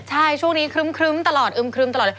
ใช่ช่วงนี้ครึ้มตลอดอึ้มตลอด